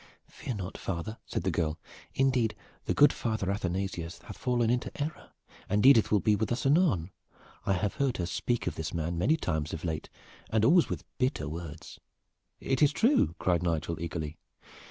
"Fear not, father," said the girl "indeed, the good Father Athanasius hath fallen into error, and Edith will be with us anon. I have heard her speak of this man many times of late, and always with bitter words." "It is true, sir," cried Nigel eagerly.